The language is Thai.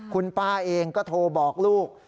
คุณป้าเองก็โทรบอกลูก